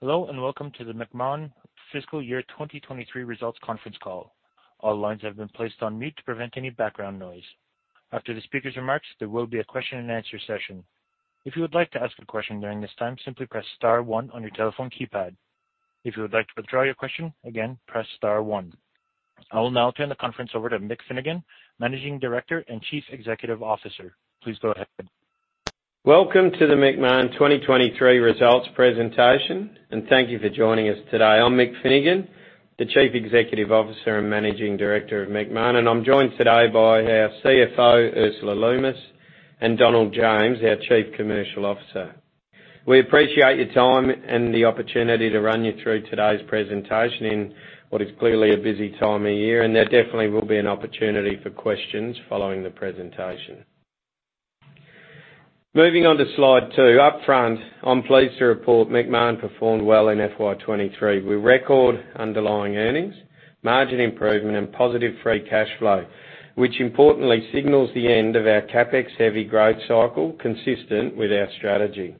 Hello, welcome to the Macmahon Fiscal Year 2023 Results Conference Call. All lines have been placed on mute to prevent any background noise. After the speaker's remarks, there will be a question and answer session. If you would like to ask a question during this time, simply press star one on your telephone keypad. If you would like to withdraw your question, again, press star one. I will now turn the conference over to Michael Finnegan, Managing Director and Chief Executive Officer. Please go ahead. Welcome to the Macmahon 2023 results presentation, and thank you for joining us today. I'm Michael Finnegan, the Chief Executive Officer and Managing Director of Macmahon, and I'm joined today by our CFO, Ursula Lummis, and Donald James, our Chief Commercial Officer. We appreciate your time and the opportunity to run you through today's presentation in what is clearly a busy time of year, and there definitely will be an opportunity for questions following the presentation. Moving on to Slide two. Upfront, I'm pleased to report Macmahon performed well in FY23, with record underlying earnings, margin improvement, and positive free cash flow, which importantly signals the end of our CapEx-heavy growth cycle, consistent with our strategy.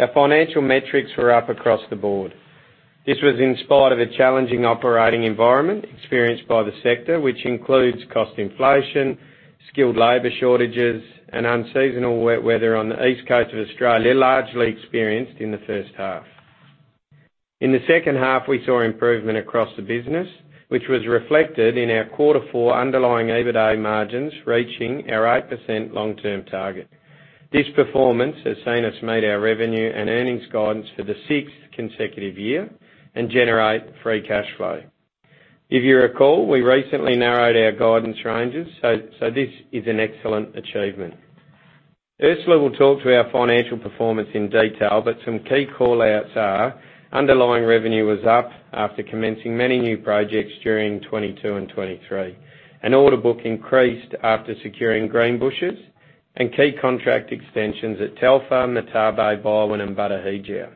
Our financial metrics were up across the board. This was in spite of a challenging operating environment experienced by the sector, which includes cost inflation, skilled labor shortages, and unseasonal wet weather on the East Coast of Australia, largely experienced in the first half. In the second half, we saw improvement across the business, which was reflected in our Quarter four underlying EBITDA margins, reaching our 8% long-term target. This performance has seen us made our revenue and earnings guidance for the 6th consecutive year and generate free cash flow. If you recall, we recently narrowed our guidance ranges, so this is an excellent achievement. Ursula will talk through our financial performance in detail, but some key call-outs are: underlying revenue was up after commencing many new projects during 2022 and 2023. Order book increased after securing Greenbushes and key contract extensions at Telfer, Martabe, Byerwen, and Batu Hijau.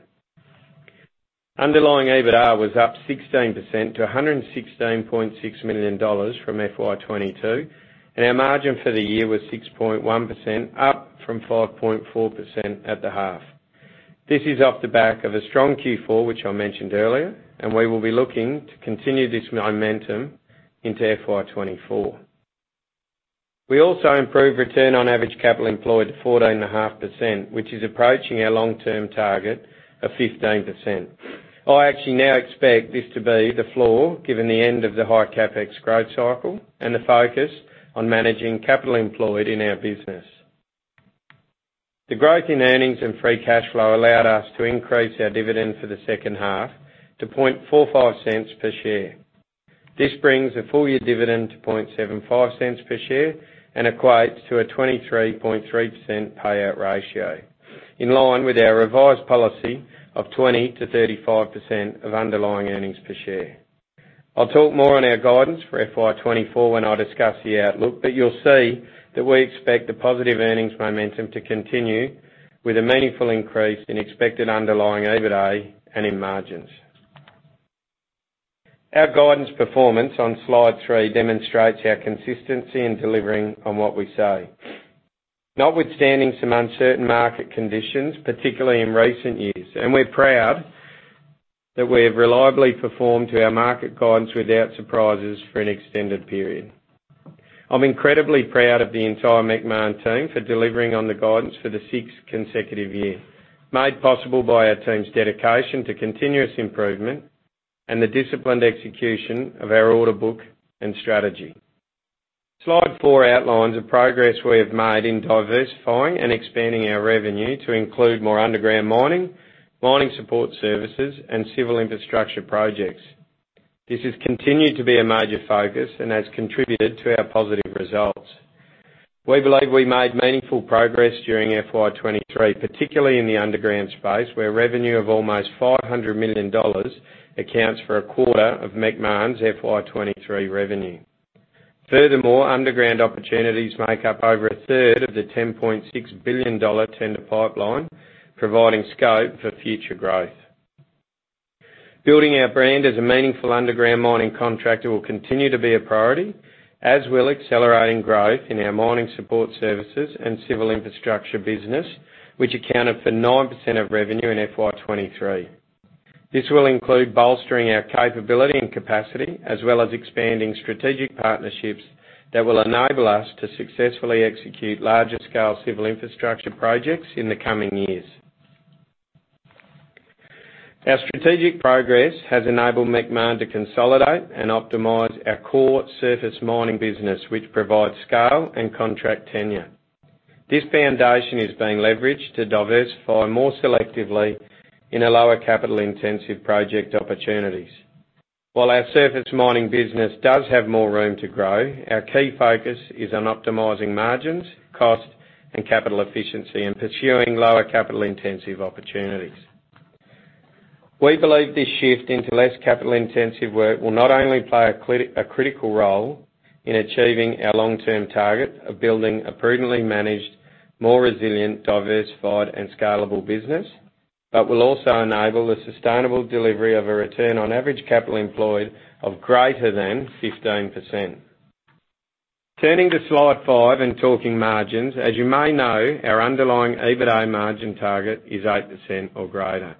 Underlying EBITDA was up 16% to 116.6 million dollars from FY22. Our margin for the year was 6.1%, up from 5.4% at the half. This is off the back of a strong Q4, which I mentioned earlier. We will be looking to continue this momentum into FY24. We also improved return on average capital employed to 14.5%, which is approaching our long-term target of 15%. I actually now expect this to be the floor, given the end of the high CapEx growth cycle and the focus on managing capital employed in our business. The growth in earnings and free cash flow allowed us to increase our dividend for the second half to 0.0045 per share. This brings a full-year dividend to 0.0075 per share and equates to a 23.3% payout ratio, in line with our revised policy of 20%-35% of underlying earnings per share. I'll talk more on our guidance for FY24 when I discuss the outlook, you'll see that we expect the positive earnings momentum to continue with a meaningful increase in expected underlying EBITDA and in margins. Our guidance performance on Slide three demonstrates our consistency in delivering on what we say. Notwithstanding some uncertain market conditions, particularly in recent years, we're proud that we have reliably performed to our market guidance without surprises for an extended period. I'm incredibly proud of the entire Macmahon team for delivering on the guidance for the 6th consecutive year, made possible by our team's dedication to continuous improvement and the disciplined execution of our order book and strategy. Slide four outlines the progress we have made in diversifying and expanding our revenue to include more underground mining, mining support services, and civil infrastructure projects. This has continued to be a major focus and has contributed to our positive results. We believe we made meaningful progress during FY23, particularly in the underground space, where revenue of almost 500 million dollars accounts for a quarter of Macmahon's FY23 revenue. Furthermore, underground opportunities make up over a third of the 10.6 billion dollar tender pipeline, providing scope for future growth. Building our brand as a meaningful underground mining contractor will continue to be a priority, as we're accelerating growth in our mining support services and civil infrastructure business, which accounted for 9% of revenue in FY23. This will include bolstering our capability and capacity, as well as expanding strategic partnerships that will enable us to successfully execute larger-scale civil infrastructure projects in the coming years. Our strategic progress has enabled Macmahon to consolidate and optimize our core surface mining business, which provides scale and contract tenure. This foundation is being leveraged to diversify more selectively in a lower capital-intensive project opportunities. While our surface mining business does have more room to grow, our key focus is on optimizing margins, cost, and capital efficiency, and pursuing lower capital-intensive opportunities. We believe this shift into less capital-intensive work will not only play a critical role in achieving our long-term target of building a prudently managed, more resilient, diversified, and scalable business, but will also enable the sustainable delivery of a return on average capital employed of greater than 15%. Turning to slide five and talking margins. As you may know, our underlying EBITDA margin target is 8% or greater.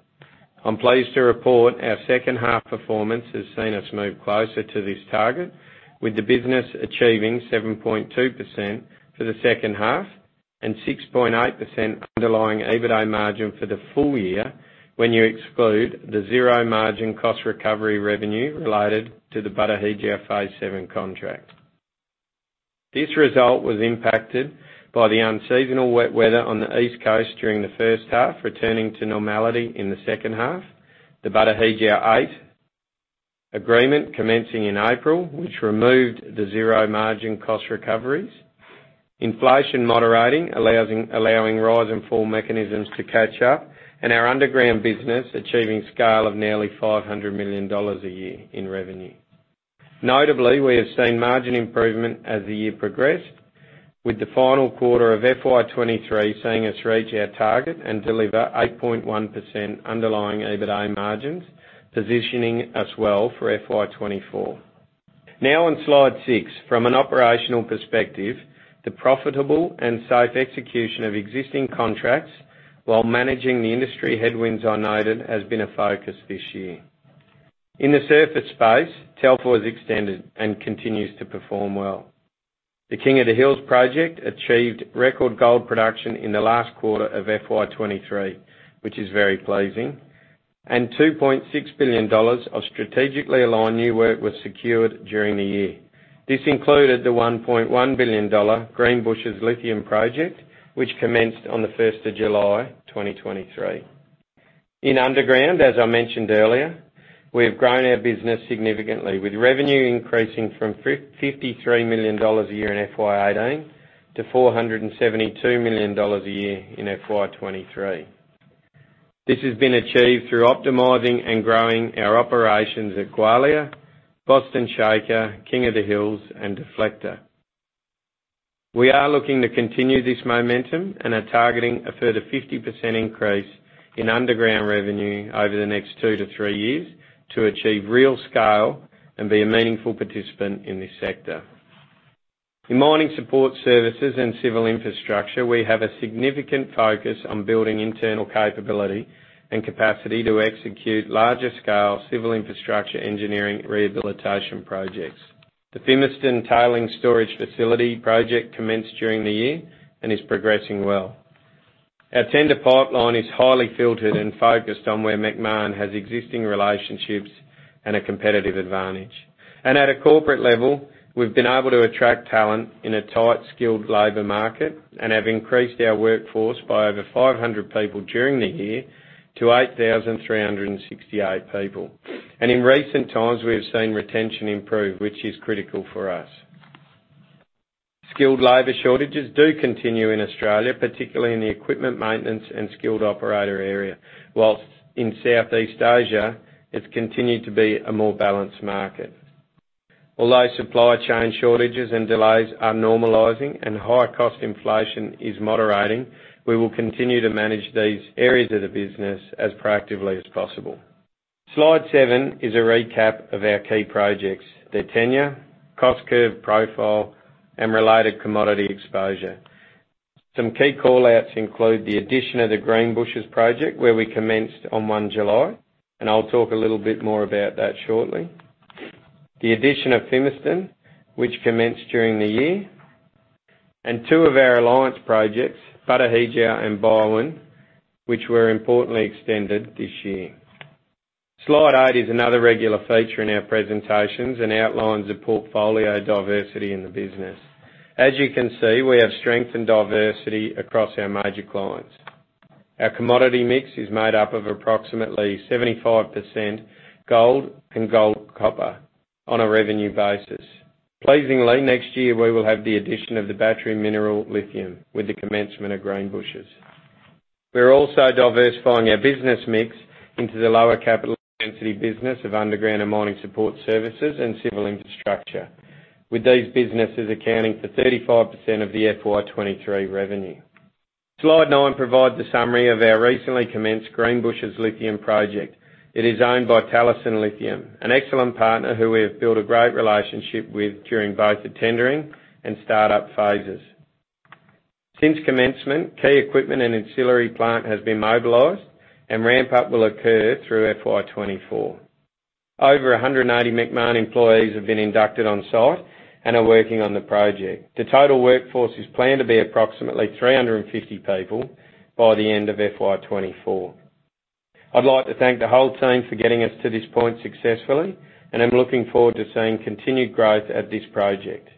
I'm pleased to report our second half performance has seen us move closer to this target, with the business achieving 7.2% for the second half, and 6.8% underlying EBITDA margin for the full year, when you exclude the zero margin cost recovery revenue related to the Batu Hijau phase VII contract. This result was impacted by the unseasonal wet weather on the East Coast during the first half, returning to normality in the second half, the Batu Hijau 8 agreement commencing in April, which removed the zero margin cost recoveries, inflation moderating, allowing rise and fall mechanisms to catch up, and our underground business achieving scale of nearly 500 million dollars a year in revenue. Notably, we have seen margin improvement as the year progressed, with the final quarter of FY23 seeing us reach our target and deliver 8.1% underlying EBITDA margins, positioning us well for FY24. On Slide six, from an operational perspective, the profitable and safe execution of existing contracts while managing the industry headwinds I noted, has been a focus this year. In the surface space, Telfer was extended and continues to perform well. The King of the Hills project achieved record gold production in the last quarter of FY23, which is very pleasing, and 2.6 billion dollars of strategically aligned new work was secured during the year. This included the 1.1 billion dollar Greenbushes lithium project, which commenced on the 1st of July, 2023. In underground, as I mentioned earlier, we have grown our business significantly, with revenue increasing from 53 million dollars a year in FY18 to 472 million dollars a year in FY23. This has been achieved through optimizing and growing our operations at Gwalia, Boston Shaker, King of the Hills, and Deflector. We are looking to continue this momentum and are targeting a further 50% increase in underground revenue over the next 2 to 3 years to achieve real scale and be a meaningful participant in this sector. In mining support services and civil infrastructure, we have a significant focus on building internal capability and capacity to execute larger scale civil infrastructure engineering rehabilitation projects. The Fimiston Tailings Storage Facility project commenced during the year and is progressing well. Our tender pipeline is highly filtered and focused on where Macmahon has existing relationships and a competitive advantage. At a corporate level, we've been able to attract talent in a tight, skilled labor market and have increased our workforce by over 500 people during the year to 8,368 people. In recent times, we have seen retention improve, which is critical for us. Skilled labor shortages do continue in Australia, particularly in the equipment maintenance and skilled operator area, whilst in Southeast Asia, it's continued to be a more balanced market. Although supply chain shortages and delays are normalizing and high cost inflation is moderating, we will continue to manage these areas of the business as proactively as possible. Slide seven is a recap of our key projects, their tenure, cost curve profile, and related commodity exposure. Some key call-outs include the addition of the Greenbushes project, where we commenced on July 1, and I'll talk a little bit more about that shortly. The addition of Fimiston, which commenced during the year, and two of our alliance projects, Batu Hijau and Byerwen, which were importantly extended this year. Slide 8 is another regular feature in our presentations and outlines the portfolio diversity in the business. As you can see, we have strength and diversity across our major clients. Our commodity mix is made up of approximately 75% gold and gold copper on a revenue basis. Pleasingly, next year we will have the addition of the battery mineral lithium with the commencement of Greenbushes. We're also diversifying our business mix into the lower capital density business of underground and mining support services and civil infrastructure. With these businesses accounting for 35% of the FY23 revenue. Slide nine provides a summary of our recently commenced Greenbushes lithium project. It is owned by Talison Lithium, an excellent partner who we have built a great relationship with during both the tendering and startup phases. Since commencement, key equipment and ancillary plant has been mobilized, and ramp-up will occur through FY24. Over 180 Macmahon employees have been inducted on site and are working on the project. The total workforce is planned to be approximately 350 people by the end of FY24. I'd like to thank the whole team for getting us to this point successfully, and I'm looking forward to seeing continued growth at this project.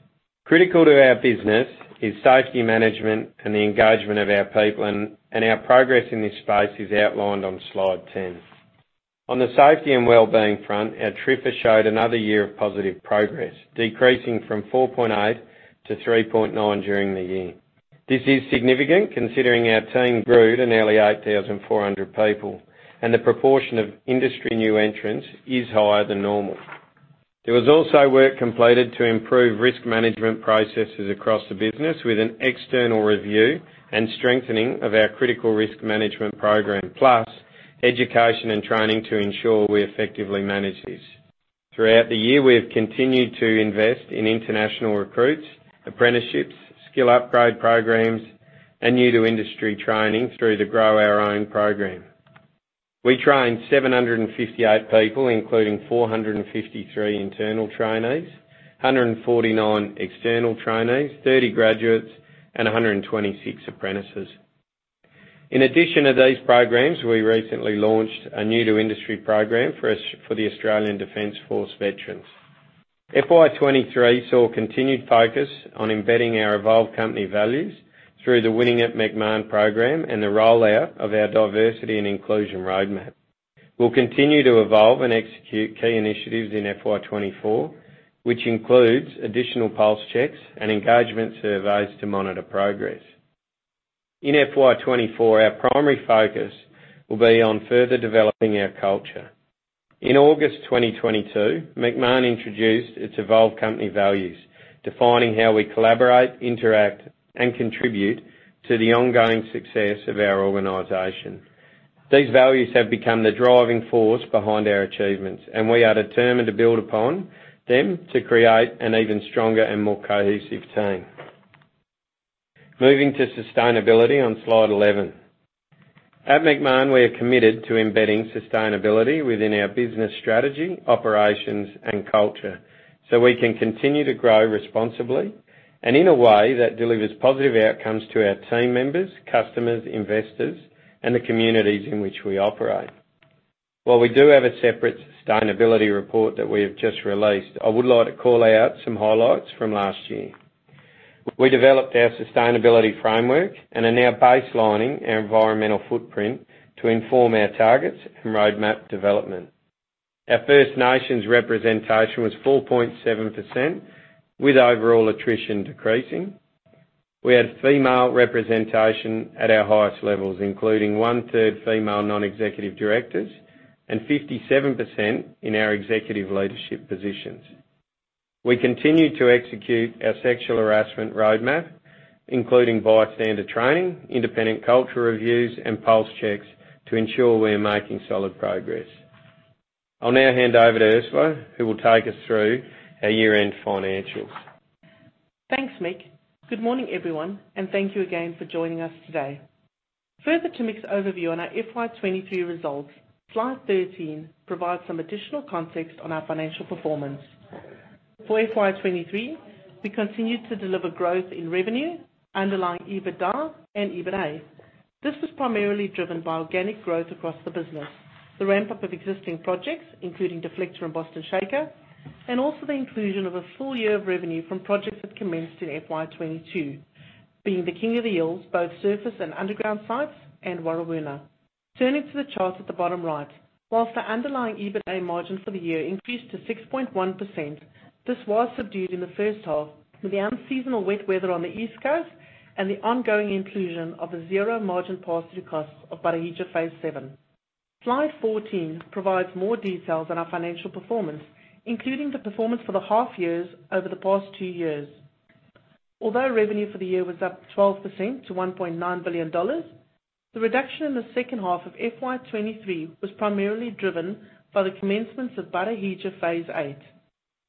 Critical to our business is safety management and the engagement of our people, and our progress in this space is outlined on slide 10. On the safety and well-being front, our TRIFR showed another year of positive progress, decreasing from 4.8 to 3.9 during the year. This is significant considering our team grew to nearly 8,400 people, and the proportion of industry new entrants is higher than normal. There was also work completed to improve risk management processes across the business with an external review and strengthening of our critical risk management program, education and training to ensure we effectively manage this. Throughout the year, we have continued to invest in international recruits, apprenticeships, skill upgrade programs, and new to industry training through the Grow Our Own program. We trained 758 people, including 453 internal trainees, 149 external trainees, 30 graduates, and 126 apprentices. In addition to these programs, we recently launched a new to industry program for the Australian Defence Force Veterans. FY23 saw continued focus on embedding our evolved company values through the Winning at Macmahon program and the rollout of our diversity and inclusion roadmap. We'll continue to evolve and execute key initiatives in FY24, which includes additional pulse checks and engagement surveys to monitor progress. In FY24, our primary focus will be on further developing our culture. In August 2022, Macmahon introduced its evolved company values, defining how we collaborate, interact, and contribute to the ongoing success of our organization. These values have become the driving force behind our achievements, and we are determined to build upon them to create an even stronger and more cohesive team. Moving to sustainability on slide 11. At Macmahon, we are committed to embedding sustainability within our business strategy, operations, and culture, so we can continue to grow responsibly and in a way that delivers positive outcomes to our team members, customers, investors, and the communities in which we operate. While we do have a separate sustainability report that we have just released, I would like to call out some highlights from last year. We developed our sustainability framework and are now baselining our environmental footprint to inform our targets and roadmap development. Our First Nations representation was 4.7%, with overall attrition decreasing. We had female representation at our highest levels, including one-third female non-executive directors and 57% in our executive leadership positions. We continued to execute our sexual harassment roadmap, including bystander training, independent culture reviews, and pulse checks to ensure we are making solid progress. I'll now hand over to Ursula, who will take us through our year-end financials. Thanks, Mick. Good morning, everyone, thank you again for joining us today. Further to Mick's overview on our FY23 results, slide 13 provides some additional context on our financial performance. For FY23, we continued to deliver growth in revenue, underlying EBITDA and EBITA. This was primarily driven by organic growth across the business, the ramp-up of existing projects, including Deflector and Boston Shaker, and also the inclusion of a full year of revenue from projects that commenced in FY22, being the King of the Hills, both surface and underground sites, and Warrawoona. Turning to the chart at the bottom right. Whilst the underlying EBITA margin for the year increased to 6.1%, this was subdued in the first half, with the unseasonal wet weather on the East Coast and the ongoing inclusion of the zero-margin pass-through costs of Batu Hijau phase VII. Slide 14 provides more details on our financial performance, including the performance for the half years over the past two years. Although revenue for the year was up 12% to 1.9 billion dollars, the reduction in the second half of FY23 was primarily driven by the commencements of Batu Hijau phase VIII.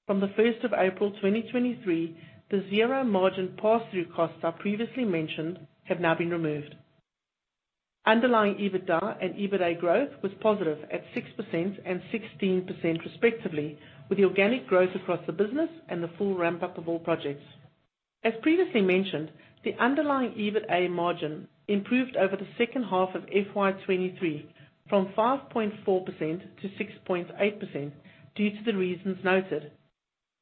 From the 1st of April 2023, the zero-margin pass-through costs I previously mentioned have now been removed. Underlying EBITDA and EBITA growth was positive at 6% and 16%, respectively, with organic growth across the business and the full ramp-up of all projects. As previously mentioned, the underlying EBITA margin improved over the second half of FY23, from 5.4% to 6.8%, due to the reasons noted.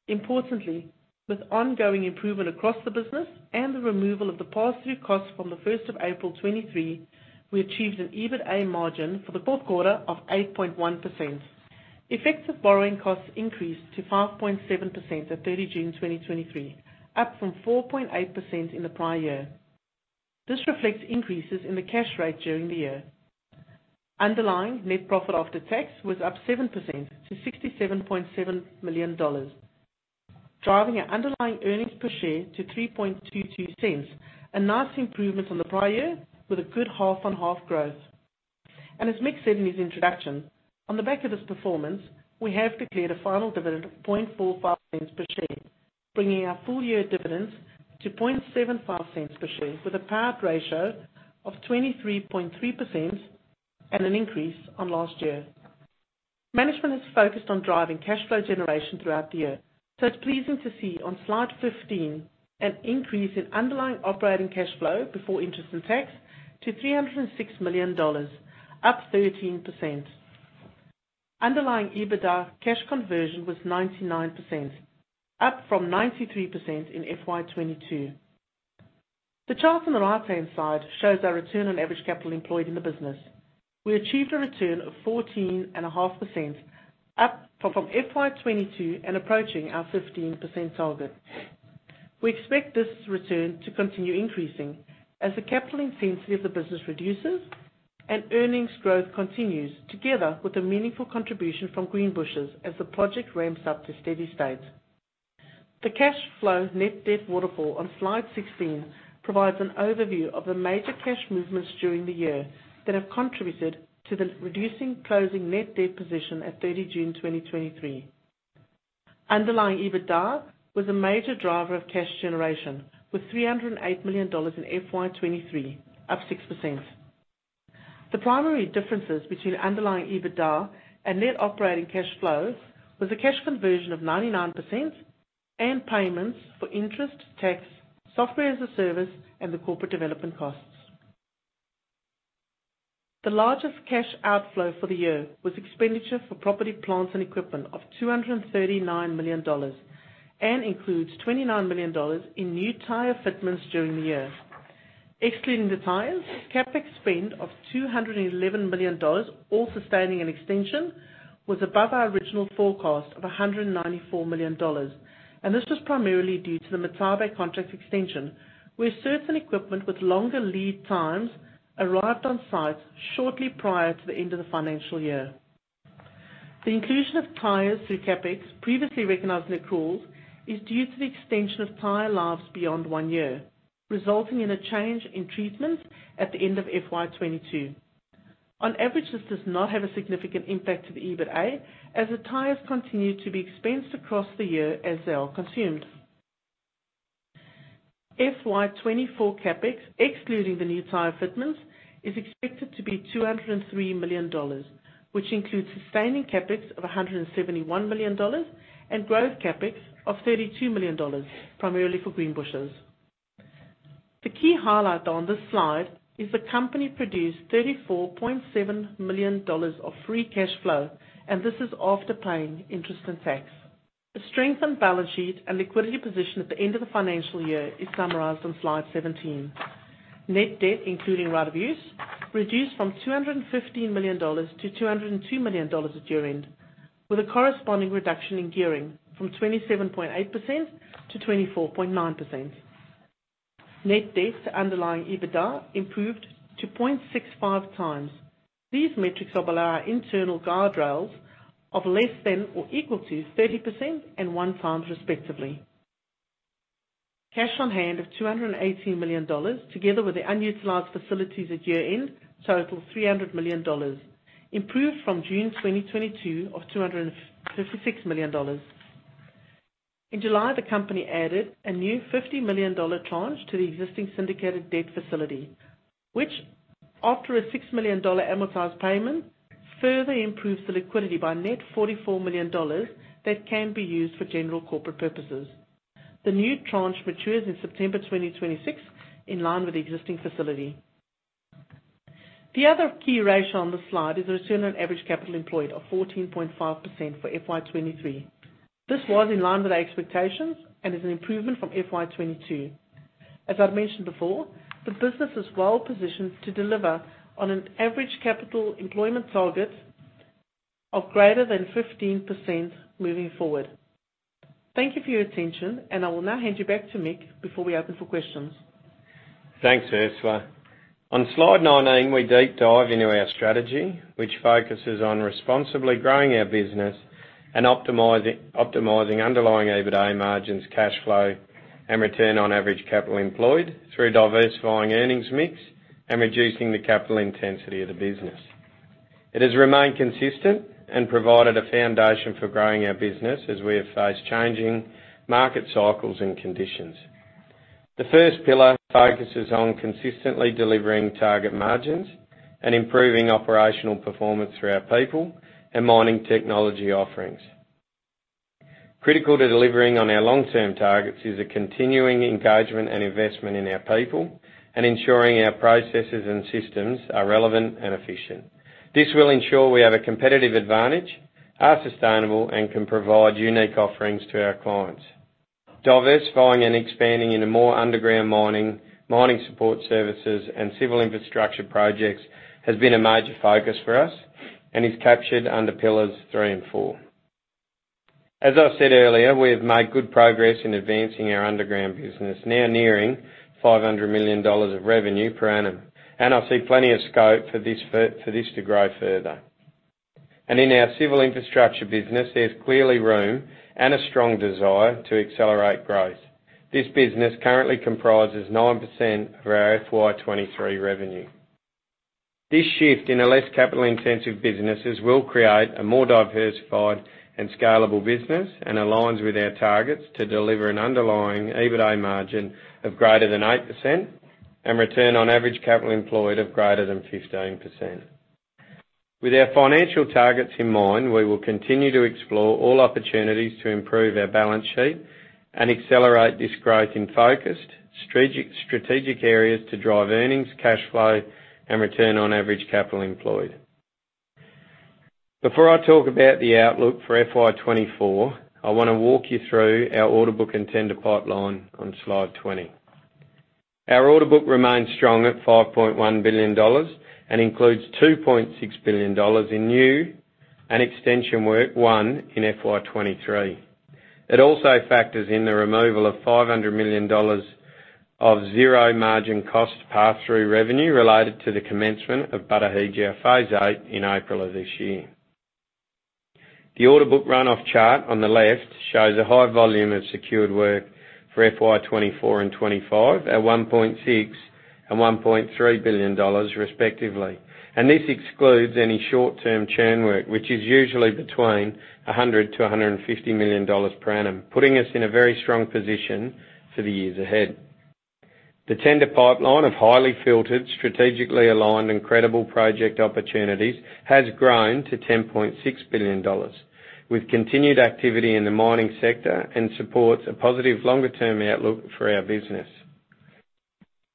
Importantly, with ongoing improvement across the business and the removal of the pass-through costs from the 1st of April 2023, we achieved an EBITA margin for the fourth quarter of 8.1%. Effective borrowing costs increased to 5.7% at 30 June 2023, up from 4.8% in the prior year. This reflects increases in the cash rate during the year. Underlying Net Profit After Tax was up 7% to 67.7 million dollars, driving our Underlying Earnings Per Share to 0.0322, a nice improvement on the prior year with a good half-on-half growth. As Mick said in his introduction, on the back of this performance, we have declared a final dividend of 0.0045 per share, bringing our full-year dividends to 0.0075 per share, with a payout ratio of 23.3% and an increase on last year. Management is focused on driving cash flow generation throughout the year, so it's pleasing to see on slide 15 an increase in underlying operating cash flow before interest and tax to 306 million dollars, up 13%. Underlying EBITDA cash conversion was 99%, up from 93% in FY22. The chart on the right-hand side shows our return on average capital employed in the business. We achieved a return of 14.5%, up from FY22 and approaching our 15% target. We expect this return to continue increasing as the capital intensity of the business reduces and earnings growth continues, together with a meaningful contribution from Greenbushes as the project ramps up to steady state. The cash flow net debt waterfall on slide 16, provides an overview of the major cash movements during the year that have contributed to the reducing closing net debt position at 30 June 2023. Underlying EBITDA was a major driver of cash generation, with 308 million dollars in FY23, up 6%. The primary differences between underlying EBITDA and net operating cash flows, was a cash conversion of 99% and payments for interest, tax, software-as-a-service, and the corporate development costs. The largest cash outflow for the year was expenditure for property, plants, and equipment of 239 million dollars, and includes 29 million dollars in new tire fitments during the year. Excluding the tires, CapEx spend of 211 million dollars, all sustaining an extension, was above our original forecast of 194 million dollars. This was primarily due to the Martabe contract extension, where certain equipment with longer lead times arrived on site shortly prior to the end of the financial year. The inclusion of tires through CapEx, previously recognized in accruals, is due to the extension of tire lives beyond one year, resulting in a change in treatment at the end of FY22. On average, this does not have a significant impact to the EBITA, as the tires continue to be expensed across the year as they are consumed. FY24 CapEx, excluding the new tire fitments, is expected to be 203 million dollars, which includes sustaining CapEx of 171 million dollars and growth CapEx of 32 million dollars, primarily for Greenbushes. The key highlight on this slide is the company produced 34.7 million dollars of free cash flow, and this is after paying interest and tax. The strengthened balance sheet and liquidity position at the end of the financial year is summarized on slide 17. Net debt, including right of use, reduced from 215 million dollars to 202 million dollars at year-end, with a corresponding reduction in gearing from 27.8% to 24.9%. Net debt to underlying EBITDA improved to 0.65x. These metrics are below our internal guardrails of less than or equal to 30% and one times, respectively. Cash on hand of 218 million dollars, together with the unutilized facilities at year-end, total 300 million dollars, improved from June 2022 of 256 million dollars. In July, the company added a new 50 million dollar tranche to the existing syndicated debt facility, which, after a 6 million dollar amortized payment, further improves the liquidity by net 44 million dollars that can be used for general corporate purposes. The new tranche matures in September 2026, in line with the existing facility. The other key ratio on this slide is the return on average capital employed of 14.5% for FY23. This was in line with our expectations and is an improvement from FY22. As I've mentioned before, the business is well positioned to deliver on an average capital employment target of greater than 15% moving forward. Thank you for your attention, and I will now hand you back to Mick before we open for questions. Thanks, Ursula. On slide 19, we deep dive into our strategy, which focuses on responsibly growing our business and optimizing, optimizing underlying EBITDA margins, cash flow, and return on average capital employed through diversifying earnings mix and reducing the capital intensity of the business. It has remained consistent and provided a foundation for growing our business as we have faced changing market cycles and conditions. The first pillar focuses on consistently delivering target margins and improving operational performance through our people and mining technology offerings. Critical to delivering on our long-term targets is a continuing engagement and investment in our people and ensuring our processes and systems are relevant and efficient. This will ensure we have a competitive advantage, are sustainable, and can provide unique offerings to our clients. Diversifying and expanding into more underground mining, mining support services, and civil infrastructure projects has been a major focus for us and is captured under pillars three and four. As I said earlier, we have made good progress in advancing our underground business, now nearing 500 million dollars of revenue per annum, and I see plenty of scope for this to grow further. In our civil infrastructure business, there's clearly room and a strong desire to accelerate growth. This business currently comprises 9% of our FY23 revenue. This shift in a less capital-intensive businesses will create a more diversified and scalable business, and aligns with our targets to deliver an underlying EBITDA margin of greater than 8% and return on average capital employed of greater than 15%. With our financial targets in mind, we will continue to explore all opportunities to improve our balance sheet and accelerate this growth in focused strategic areas to drive earnings, cash flow, and return on average capital employed. Before I talk about the outlook for FY24, I want to walk you through our order book and tender pipeline on slide 20. Our order book remains strong at 5.1 billion dollars and includes 2.6 billion dollars in new and extension work won in FY23. It also factors in the removal of 500 million dollars of zero margin cost pass-through revenue related to the commencement of Batu Hijau phase VIII in April of this year. The order book run-off chart on the left shows a high volume of secured work for FY24 and 25, at 1.6 billion and 1.3 billion dollars, respectively. This excludes any short-term churn work, which is usually between 100 million-150 million dollars per annum, putting us in a very strong position for the years ahead. The tender pipeline of highly filtered, strategically aligned, and credible project opportunities has grown to 10.6 billion dollars, with continued activity in the mining sector and supports a positive longer-term outlook for our business.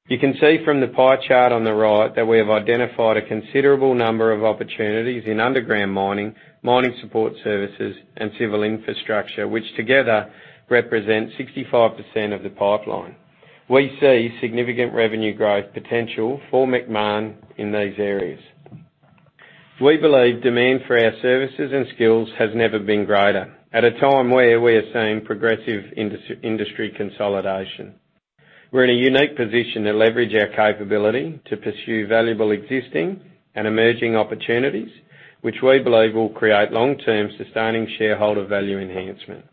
You can see from the pie chart on the right that we have identified a considerable number of opportunities in underground mining, mining support services, and civil infrastructure, which together represent 65% of the pipeline. We see significant revenue growth potential for Macmahon in these areas. We believe demand for our services and skills has never been greater, at a time where we are seeing progressive industry consolidation. We're in a unique position to leverage our capability to pursue valuable existing and emerging opportunities, which we believe will create long-term, sustaining shareholder value enhancement.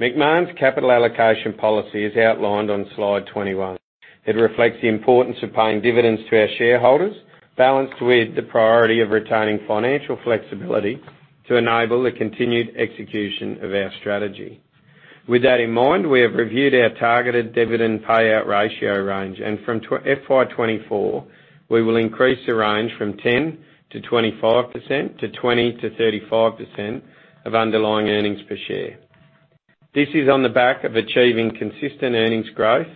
Macmahon's capital allocation policy is outlined on slide 21. It reflects the importance of paying dividends to our shareholders, balanced with the priority of retaining financial flexibility to enable the continued execution of our strategy. With that in mind, we have reviewed our targeted dividend payout ratio range, and from FY24, we will increase the range from 10%-25% to 20%-35% of underlying earnings per share. This is on the back of achieving consistent earnings growth,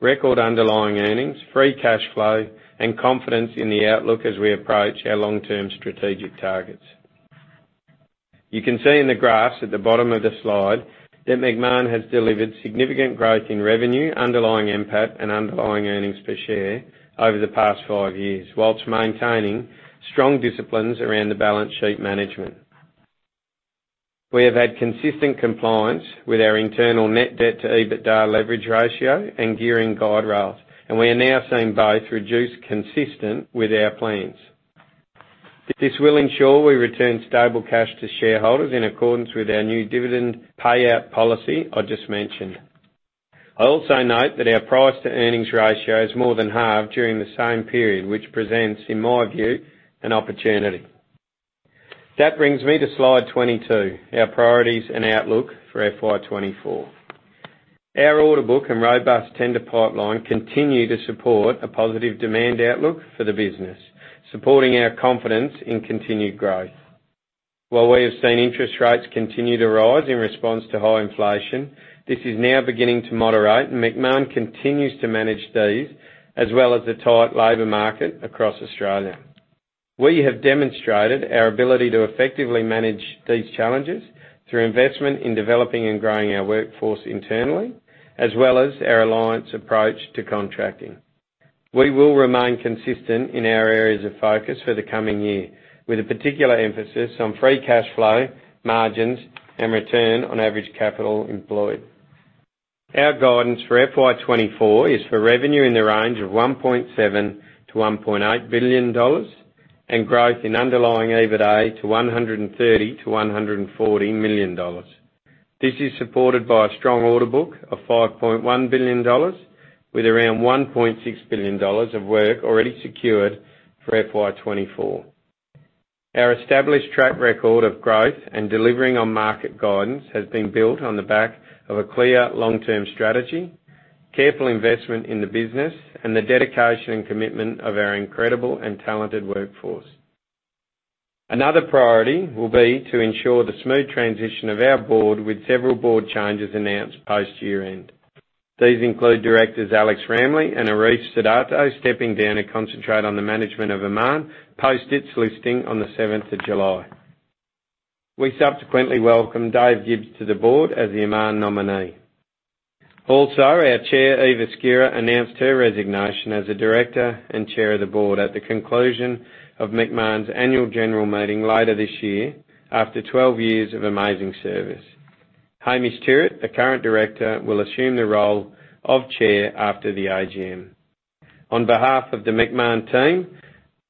record underlying earnings, free cash flow, and confidence in the outlook as we approach our long-term strategic targets. You can see in the graphs at the bottom of the slide that Macmahon has delivered significant growth in revenue, underlying NPAT, and underlying earnings per share over the past five years, while maintaining strong disciplines around the balance sheet management. We have had consistent compliance with our internal net debt to EBITDA leverage ratio and gearing guide rails, and we are now seeing both reduce consistent with our plans. This will ensure we return stable cash to shareholders in accordance with our new dividend payout policy I just mentioned. I also note that our price-to-earnings ratio has more than halved during the same period, which presents, in my view, an opportunity. That brings me to slide 22, our priorities and outlook for FY24. Our order book and robust tender pipeline continue to support a positive demand outlook for the business, supporting our confidence in continued growth. While we have seen interest rates continue to rise in response to high inflation, this is now beginning to moderate, Macmahon continues to manage these, as well as the tight labor market across Australia. We have demonstrated our ability to effectively manage these challenges through investment in developing and growing our workforce internally, as well as our alliance approach to contracting. We will remain consistent in our areas of focus for the coming year, with a particular emphasis on free cash flow, margins, and return on average capital employed. Our guidance for FY24 is for revenue in the range of $1.7 billion-$1.8 billion, and growth in underlying EBITDA to $130 million-$140 million. This is supported by a strong order book of 5.1 billion dollars, with around 1.6 billion dollars of work already secured for FY24. Our established track record of growth and delivering on market guidance has been built on the back of a clear long-term strategy, careful investment in the business, and the dedication and commitment of our incredible and talented workforce. Another priority will be to ensure the smooth transition of our board, with several board changes announced post-year end. These include directors Alexander Ramlie and Arief Sidarto, stepping down to concentrate on the management of Amman, post its listing on the 7th of July. We subsequently welcomed David Gibbs to the board as the Amman nominee. Our Chair, Eva Skira, announced her resignation as a director and Chair of the board at the conclusion of Macmahon's Annual General Meeting later this year, after 12 years of amazing service. Hamish Tyrwhitt, a current director, will assume the role of Chair after the AGM. On behalf of the Macmahon team,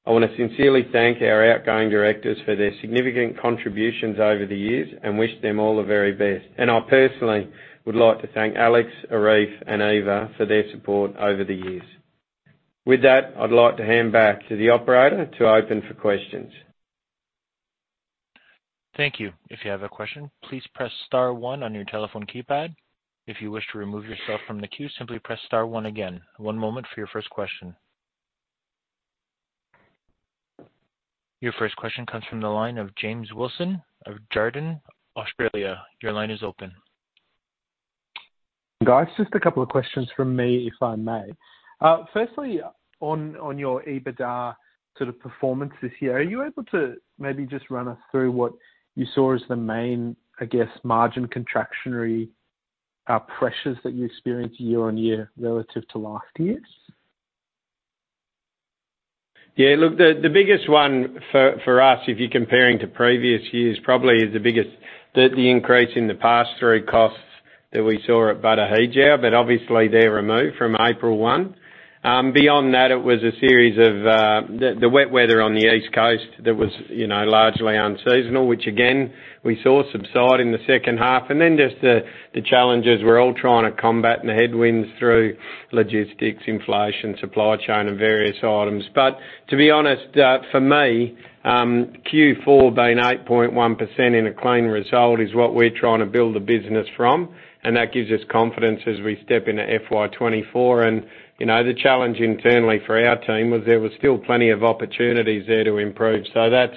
I want to sincerely thank our outgoing directors for their significant contributions over the years and wish them all the very best. I personally would like to thank Alex, Arief, and Eva for their support over the years. With that, I'd like to hand back to the operator to open for questions. Thank you. If you have a question, please press star one on your telephone keypad. If you wish to remove yourself from the queue, simply press star one again. One moment for your first question. Your first question comes from the line of James Wilson of Jarden, Australia. Your line is open. Guys, just a couple of questions from me, if I may. Firstly, on, on your EBITDA sort of performance this year, are you able to maybe just run us through what you saw as the main, I guess, margin contractionary, pressures that you experienced year on year relative to last year? The biggest one for us, if you're comparing to previous years, probably is the biggest, the increase in the pass-through costs that we saw at Batu Hijau, but obviously they're removed from April 1. Beyond that, it was a series of the wet weather on the East Coast that was, you know, largely unseasonal, which again, we saw subside in the second half. Then just the challenges we're all trying to combat and the headwinds through logistics, inflation, supply chain and various items. To be honest, for me, Q4 being 8.1% in a clean result is what we're trying to build the business from, and that gives us confidence as we step into FY24. You know, the challenge internally for our team was there was still plenty of opportunities there to improve. That's,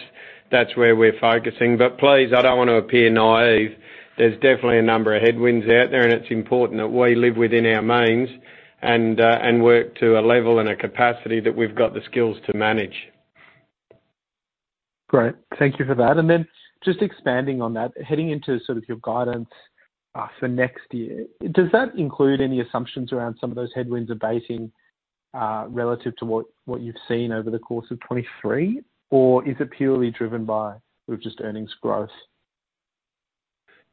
that's where we're focusing. Please, I don't want to appear naive. There's definitely a number of headwinds out there, and it's important that we live within our means and, and work to a level and a capacity that we've got the skills to manage. Great. Thank you for that. Then just expanding on that, heading into sort of your guidance for 2024, does that include any assumptions around some of those headwinds abating relative to what, what you've seen over the course of 2023? Or is it purely driven by sort of just earnings growth?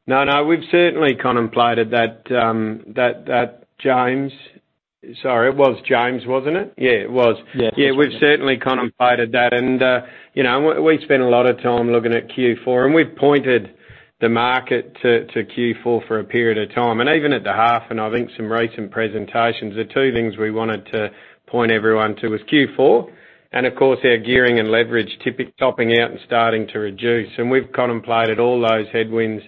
No, no, we've certainly contemplated that, James, Sorry, it was James, wasn't it? Yeah, it was. Yeah. Yeah, we've certainly contemplated that. You know, we, we spent a lot of time looking at Q4, and we've pointed the market to, to Q4 for a period of time, and even at the half, and I think some recent presentations, the two things we wanted to point everyone to was Q4 and, of course, our gearing and leverage tip- topping out and starting to reduce. We've contemplated all those headwinds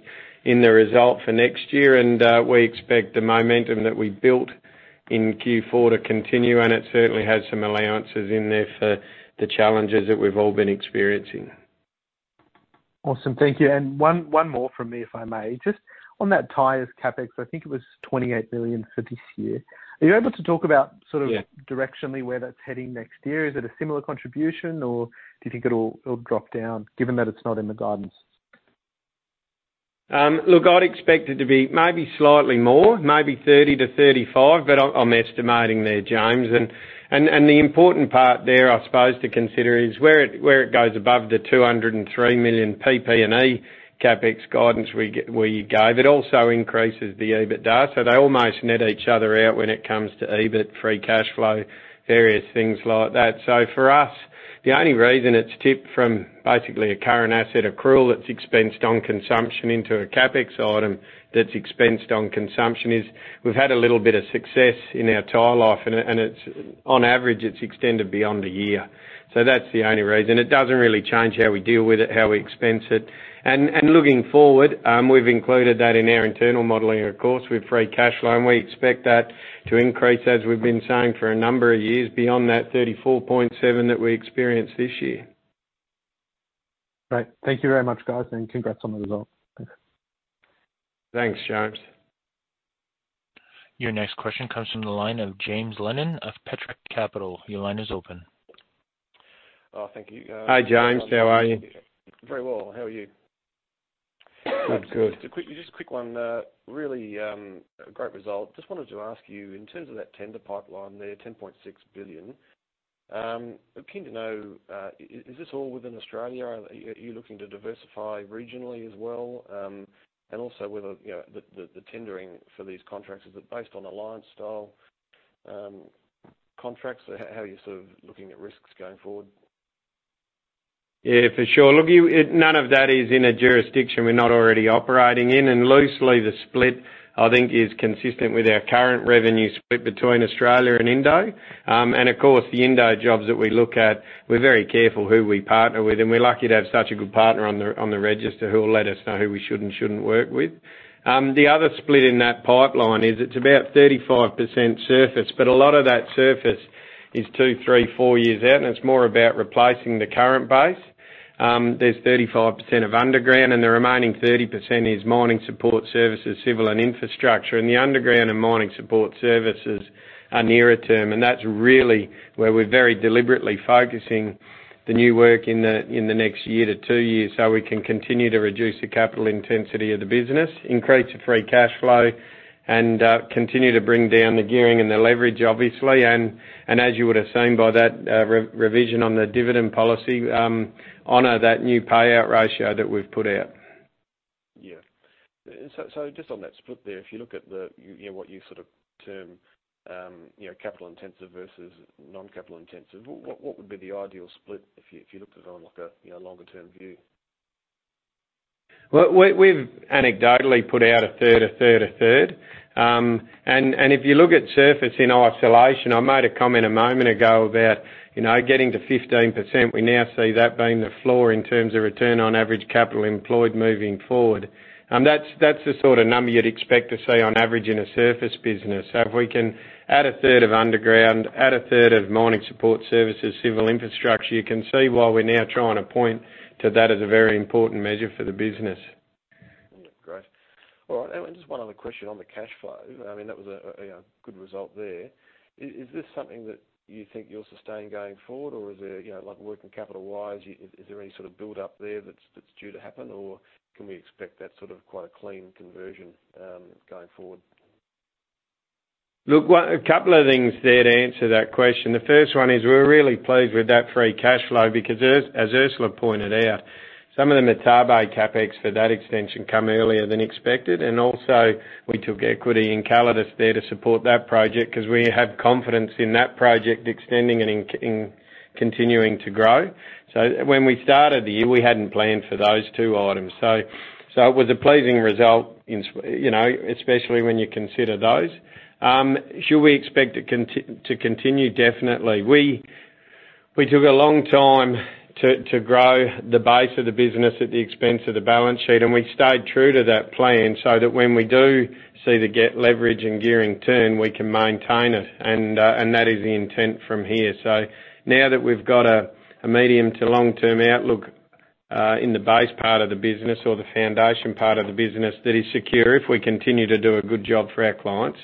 in the result for next year, and we expect the momentum that we built in Q4 to continue, and it certainly has some allowances in there for the challenges that we've all been experiencing. Awesome. Thank you. One, one more from me, if I may. Just on that tires CapEx, I think it was 28 million for this year. Are you able to talk about sort of- Yeah... directionally where that's heading next year? Is it a similar contribution, or do you think it'll, it'll drop down, given that it's not in the guidance? Look, I'd expect it to be maybe slightly more, maybe 30-35, but I'm, I'm estimating there, James. The important part there, I suppose to consider, is where it, where it goes above the 203 million PP&E CapEx guidance we gave, it also increases the EBITDA, so they almost net each other out when it comes to EBIT, free cash flow, various things like that. For us, the only reason it's tipped from basically a current asset accrual that's expensed on consumption into a CapEx item that's expensed on consumption is we've had a little bit of success in our tire life, and it, and it's, on average, it's extended beyond a year. That's the only reason. It doesn't really change how we deal with it, how we expense it. Looking forward, we've included that in our internal modeling, of course, with free cash flow, and we expect that to increase, as we've been saying for a number of years, beyond that 34.7 that we experienced this year. Great. Thank you very much, guys, and congrats on the result. Thanks. Thanks, James. Your next question comes from the line of James Lennon of Petra Capital. Your line is open. Oh, thank you. Hi, James. How are you? Very well. How are you? I'm good. Just a quick, just a quick one. Really, a great result. Just wanted to ask you, in terms of that tender pipeline there, 10.6 billion, I'm keen to know, is this all within Australia? Are you looking to diversify regionally as well? Also whether, you know, the tendering for these contracts, is it based on alliance-style contracts? How are you sort of looking at risks going forward? Yeah, for sure. Look, you-- it-- none of that is in a jurisdiction we're not already operating in, and loosely, the split, I think, is consistent with our current revenue split between Australia and Indonesia. Of course, the Indonesia jobs that we look at, we're very careful who we partner with, and we're lucky to have such a good partner on the, on the register who will let us know who we should and shouldn't work with. The other split in that pipeline is it's about 35% surface, but a lot of that surface is two, three, four years out, and it's more about replacing the current base. There's 35% of underground, and the remaining 30% is mining support services, civil and infrastructure. The underground and mining support services are nearer term, and that's really where we're very deliberately focusing the new work in the, in the next year to two years, so we can continue to reduce the capital intensity of the business, increase the free cash flow, and continue to bring down the gearing and the leverage, obviously. As you would've seen by that, re- revision on the dividend policy, honor that new payout ratio that we've put out. Yeah. So just on that split there, if you look at the, you, you know, what you sort of term, you know, capital intensive versus non-capital intensive, what, what would be the ideal split if you, if you looked at it on, like a, you know, longer-term view? Well, we, we've anecdotally put out a third, a third, a third. If you look at surface in isolation, I made a comment a moment ago about, you know, getting to 15%. We now see that being the floor in terms of return on average capital employed moving forward. That's, that's the sort of number you'd expect to see on average in a surface business. If we can add a third of underground, add a third of mining support services, civil infrastructure, you can see why we're now trying to point to that as a very important measure for the business. Great. All right, just one other question on the cash flow. I mean, that was a, a, a good result there. Is, is this something that you think you'll sustain going forward, or is there, you know, like working capital-wise, is, is there any sort of build-up there that's, that's due to happen, or can we expect that sort of quite a clean conversion, going forward? Look, 1, a couple of things there to answer that question. The first one is we're really pleased with that free cash flow because as, as Ursula pointed out, some of the Martabe CapEx for that extension come earlier than expected. Also we took equity in Calidus there to support that project because we have confidence in that project extending and in, in continuing to grow. When we started the year, we hadn't planned for those two items. It was a pleasing result in, you know, especially when you consider those. Should we expect it to continue? Definitely. We, we took a long time to, to grow the base of the business at the expense of the balance sheet, and we stayed true to that plan so that when we do see the get leverage and gearing turn, we can maintain it. That is the intent from here. Now that we've got a, a medium to long-term outlook, in the base part of the business or the foundation part of the business, that is secure, if we continue to do a good job for our clients,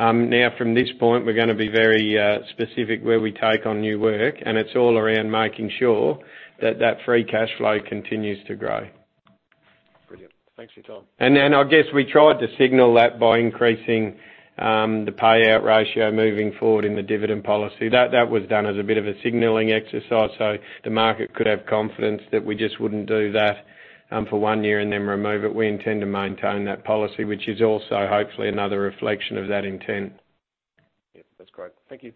now, from this point, we're gonna be very specific where we take on new work, and it's all around making sure that that free cash flow continues to grow. Brilliant. Thanks for your time. Then I guess we tried to signal that by increasing the payout ratio moving forward in the dividend policy. That was done as a bit of a signaling exercise, so the market could have confidence that we just wouldn't do that for one year and then remove it. We intend to maintain that policy, which is also hopefully another reflection of that intent. Yep, that's great. Thank you.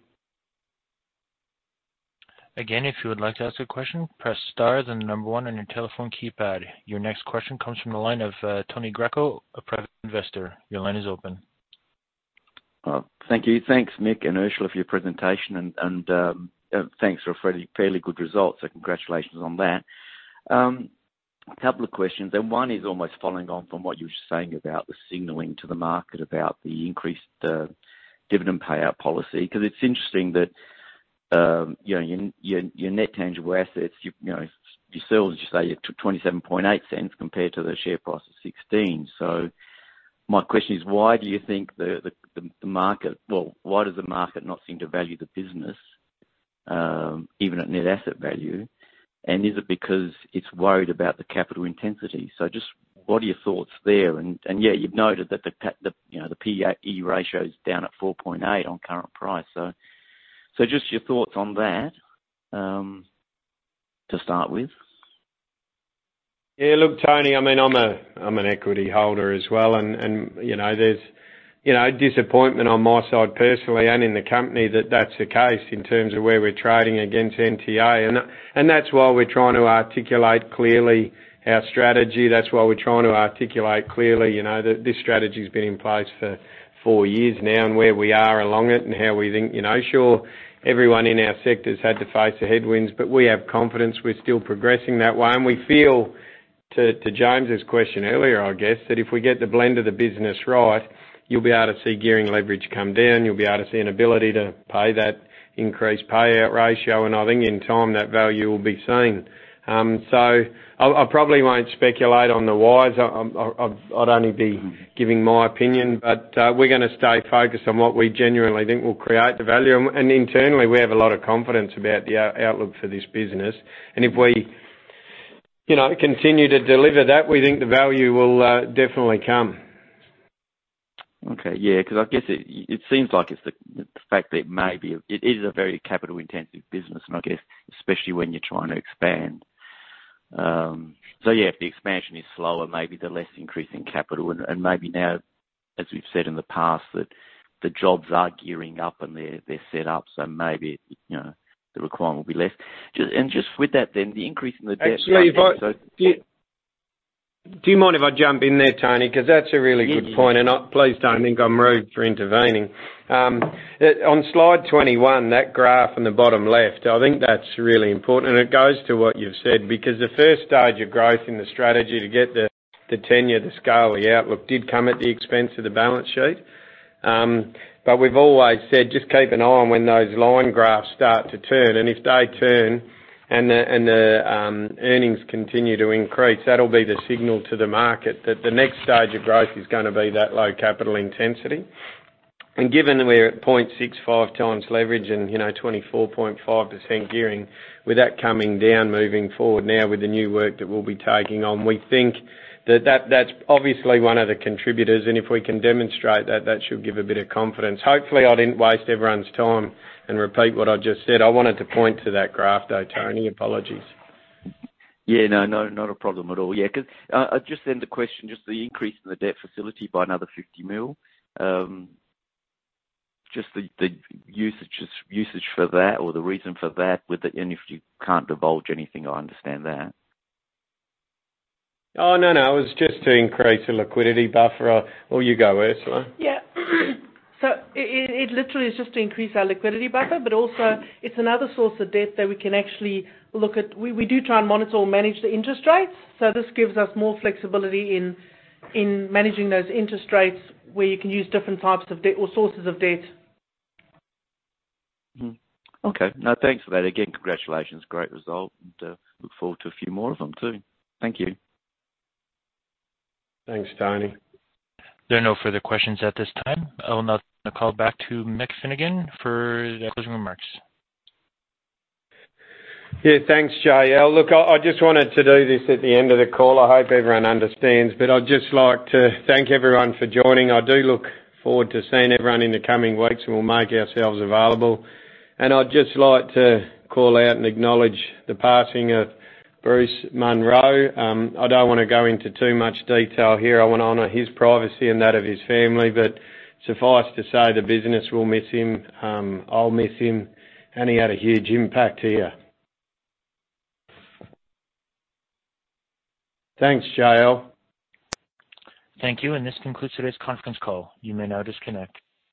Again, if you would like to ask a question, press star, then the number 1 on your telephone keypad. Your next question comes from the line of Tony Greco, a private investor. Your line is open. Thank you. Thanks, Mick and Ursula, for your presentation, and, and, thanks for a fairly, fairly good result. Congratulations on that. A couple of questions, and one is almost following on from what you were just saying about the signaling to the market, about the increased, dividend payout policy. It's interesting that, you know, your, your net tangible assets, you, you know, you sold, as you say, it took AUD 0.278 compared to the share price of 0.16. My question is: Why do you think the, the, the market... Well, why does the market not seem to value the business, even at net asset value? Is it because it's worried about the capital intensity? Just what are your thoughts there? Yeah, you've noted that the, you know, the P/E ratio is down at 4.8 on current price. Just your thoughts on that to start with. Yeah, look, Tony, I mean, I'm an equity holder as well and, you know, there's, you know, disappointment on my side, personally and in the company, that that's the case in terms of where we're trading against NTA. That's why we're trying to articulate clearly our strategy. That's why we're trying to articulate clearly, you know, that this strategy's been in place for four years now and where we are along it and how we think. You know, sure, everyone in our sector has had to face the headwinds, we have confidence we're still progressing that way. We feel, to James's question earlier, I guess, that if we get the blend of the business right, you'll be able to see gearing leverage come down. You'll be able to see an ability to pay that increased payout ratio, and I think in time, that value will be seen. So I, I probably won't speculate on the whys. I, I, I'd only be giving my opinion, but we're gonna stay focused on what we genuinely think will create the value. Internally, we have a lot of confidence about the outlook for this business. If we, you know, continue to deliver that, we think the value will definitely come. Okay. Yeah, because I guess it, it seems like it's the, the fact that it may be, it is a very capital-intensive business, and I guess especially when you're trying to expand. So yeah, if the expansion is slower, maybe the less increase in capital, and, and maybe now, as we've said in the past, that the jobs are gearing up and they're, they're set up, so maybe, you know, the requirement will be less. Just with that, then the increase in the debt. Actually. So- Do you mind if I jump in there, Tony? Because that's a really good point- Yeah. I... Please don't think I'm rude for intervening. On slide 21, that graph on the bottom left, I think that's really important, and it goes to what you've said, because the first stage of growth in the strategy to get the, the tenure, the scale, the outlook, did come at the expense of the balance sheet. We've always said, just keep an eye on when those line graphs start to turn, and if they turn and the, and the, earnings continue to increase, that'll be the signal to the market that the next stage of growth is gonna be that low capital intensity. Given that we're at 0.65x leverage and, you know, 24.5% gearing, with that coming down moving forward now with the new work that we'll be taking on, we think that, that, that's obviously one of the contributors, and if we can demonstrate that, that should give a bit of confidence. Hopefully, I didn't waste everyone's time and repeat what I just said. I wanted to point to that graph though, Tony. Apologies. Yeah, no, no, not a problem at all. Yeah, because the question, just the increase in the debt facility by another 50 million, just the usage for that or the reason for that with the...? If you can't divulge anything, I understand that. Oh, no, no, it was just to increase the liquidity buffer. Well, you go, Ursula. Yeah. It, it, it literally is just to increase our liquidity buffer, but also it's another source of debt that we can actually look at. We, we do try and monitor or manage the interest rates, so this gives us more flexibility in, in managing those interest rates, where you can use different types of debt or sources of debt. Mm-hmm. Okay. Thanks for that. Again, congratulations. Great result. Look forward to a few more of them, too. Thank you. Thanks, Tony. There are no further questions at this time. I will now call back to Michael Finnegan for the closing remarks. Yeah, thanks, Jael. Look, I, I just wanted to do this at the end of the call. I hope everyone understands, but I'd just like to thank everyone for joining. I do look forward to seeing everyone in the coming weeks, and we'll make ourselves available. I'd just like to call out and acknowledge the passing of Bruce Munro. I don't want to go into too much detail here. I want to honor his privacy and that of his family, but suffice to say, the business will miss him, I'll miss him, and he had a huge impact here. Thanks, Jael. Thank you, and this concludes today's conference call. You may now disconnect.